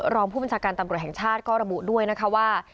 รองผู้บัญชาการตำรวจแห่งชาติก็ระบุด้วยนะคะว่า